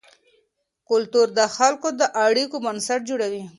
کلتور د خلکو د اړیکو بنسټ جوړوي.